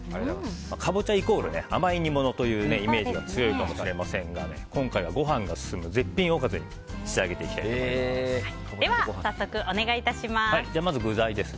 カボチャ、イコール甘い煮物というイメージが強いかもしれませんが今回はご飯が進む絶品おかずにでは、さっそくお願いします。